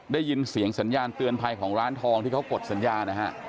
ได้ยินเสียงสัญญาณเตือนภัยของร้านทองที่เขากดสัญญานะฮะ